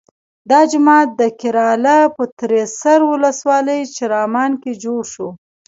دا جومات د کیراله په تریسر ولسوالۍ چرامان کې جوړ شو.